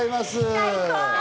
最高！